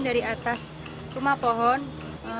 dari atas rumah pohon yang berlatar belakang